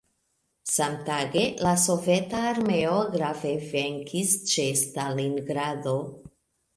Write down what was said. Samtage la soveta armeo grave venkis ĉe Stalingrado.